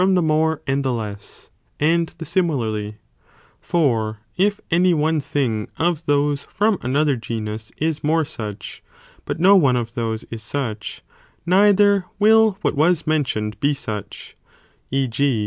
ues ° ὃ the more, and the less, and the similarly, or if any one thing 1, 2nd simi of those from another genus is more such, but no one of those is such, neither will what was men *i,e.inthe tioned* be such, 6. g.